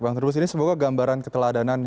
bang terubus ini semoga gambaran keteladanan